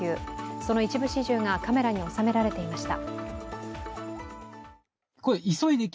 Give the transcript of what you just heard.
その一部始終がカメラに収められていました。